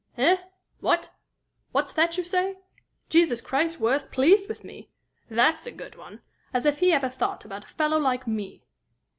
"Eh? What? What's that you say? Jesus Christ worse pleased with me? That's a good one! As if he ever thought about a fellow like me!"